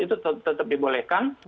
itu tetap dibolehkan